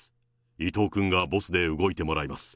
伊藤君がボスで動いてもらいます。